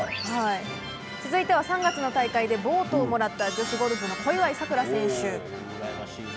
続いては、３月の大会でボートをもらった女子ゴルフ、小祝さくら選手。